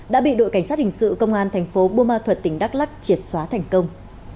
đã bị đội cảnh sát hình sự công an thành phố buôn ma thuật tỉnh đắk lắc triệt xóa thành công